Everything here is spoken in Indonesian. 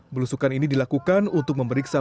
belusukan ini dilakukan untuk memeriksa